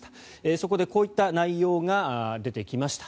そこでこういった内容が出てきました。